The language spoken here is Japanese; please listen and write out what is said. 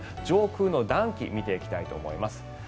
上空の暖気を見ていきたいと思います。